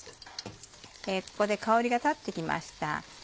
ここで香りが立って来ました。